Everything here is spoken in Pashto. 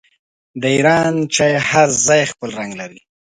د ایران چای هر ځای خپل رنګ لري.